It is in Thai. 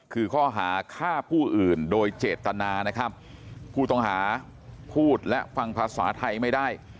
คือข้อหาฆ่าผู้อื่นโดยเจตนานะครับผู้ต้องหาพูดและฟังภาษาไทยไม่ได้